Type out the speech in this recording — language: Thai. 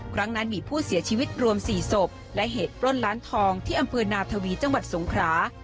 ครั้งนั้นมีผู้เสียชีวิตรวม๔ศพและเหตุปล้นล้านทองที่อำเภอนาทวีจังหวัดสงครา